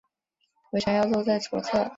回程要坐在左侧